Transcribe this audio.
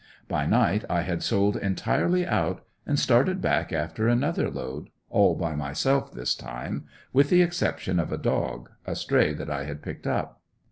By night I had sold entirely out and started back after another load, all by myself this time, with the exception of a dog, a stray that I had picked up.